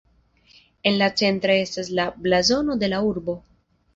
En la centra estas la blazono de la urbo.